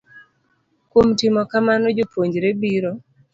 Kuom timo kamano, jopuonjre biro